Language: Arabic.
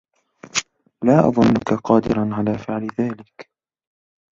لا أظنك قادرا على فعل ذلك.